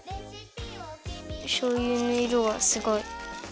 しょうゆのいろがすごい。